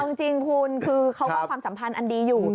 เอาจริงคุณคือเขาว่าความสัมพันธ์อันดีอยู่